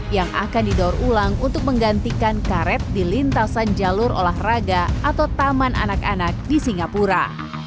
yang akan didaur ulang untuk menggantikan karet di lintasan jalur olahraga atau taman anak anak di singapura